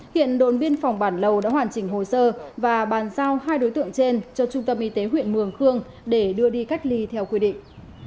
hiện đồn biên phòng bản lầu đã hoàn chỉnh hồ sơ và bàn giao hai đối tượng trên cho trung tâm y tế huyện mường khương để đưa đi cách ly theo quy định